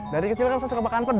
dari kecil kan saya suka makan pedes